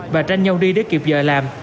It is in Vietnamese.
và tranh nhau đi để kịp giờ làm